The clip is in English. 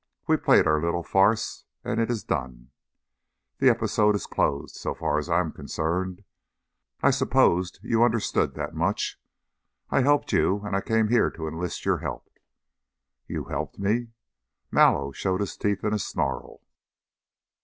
We played our little farce and it is done the episode is closed, so far as I am concerned. I supposed you understood that much. I helped you and I came here to enlist your help." "You helped me?" Mallow showed his teeth in a snarl.